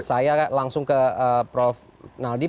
saya langsung ke prof naldi